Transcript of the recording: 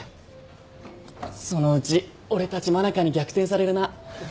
そのうち俺たち真中に逆転されるな。